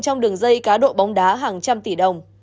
trong đường dây cá độ bóng đá hàng trăm tỷ đồng